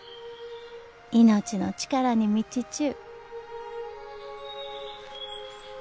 命の力に満ちちゅう。